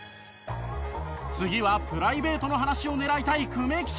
次はプライベートの話を狙いたい久米記者。